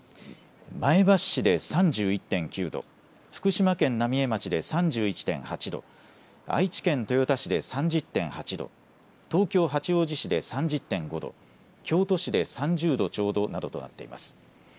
前橋市で３１．９度、福島県浪江町で３１．８度、愛知県豊田市で３０．８度、東京・八王子市で３０．５度、京都市で３０度ちょうどなどとなっています。